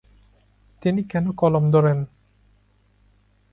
তিনি কেন কলম ধরেন?